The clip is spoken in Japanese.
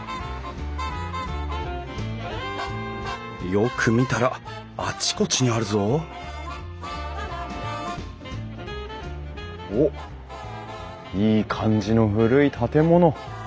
よく見たらあちこちにあるぞおっいい感じの古い建物！